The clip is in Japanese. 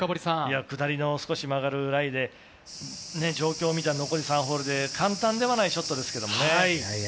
下りの少し曲がるライで状況を見たら残り３ホールで簡単ではないショットですけどね。